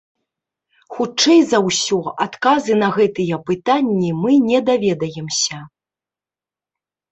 Хутчэй за ўсё, адказы на гэтыя пытанні мы не даведаемся.